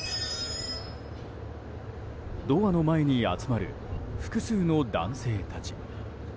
ドアの前に集まる複数の男性たち。